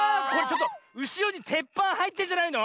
うしろにてっぱんはいってんじゃないの？